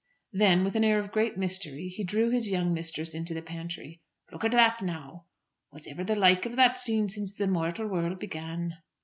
Then, with an air of great mystery, he drew his young mistress into the pantry. "Look at that now! Was ever the like of that seen since the mortial world began?"